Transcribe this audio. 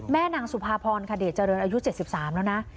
นางสุภาพรคเดชเจริญอายุ๗๓แล้วนะ